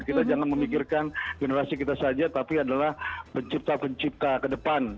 kita jangan memikirkan generasi kita saja tapi adalah pencipta pencipta ke depan